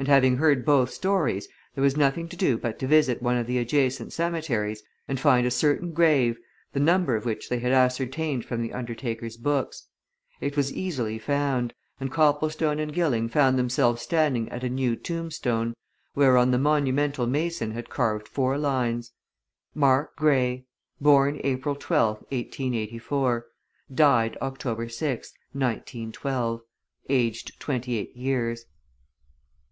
And having heard both stories, there was nothing to do but to visit one of the adjacent cemeteries and find a certain grave the number of which they had ascertained from the undertaker's books. It was easily found and Copplestone and Gilling found themselves standing at a new tombstone, whereon the monumental mason had carved four lines: MARK GREY BORN APRIL 12TH, 1884 DIED OCTOBER 6TH, 1912 AGED 28 YEARS.